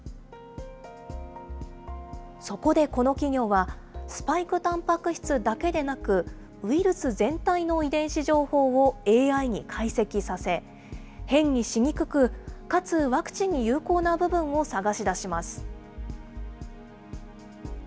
そこでこの企業は、スパイクたんぱく質だけでなく、ウイルス全体の遺伝子情報をＡＩに解析させ、変異しにくく、かつワクチンに有効な部分を探し出します。